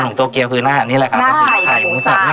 ดูรูปเดียวกับผมเลยอ๋อแล้วคุณเจอียุทธ์เท่าไรค่ะ